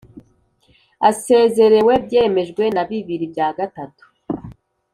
asezerewe byemejwe na bibiri bya gatatu